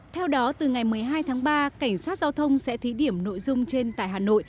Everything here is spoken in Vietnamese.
theo đó từ ngày một mươi hai tháng ba cảnh sát giao thông sẽ thí điểm nội dung trên tại hà nội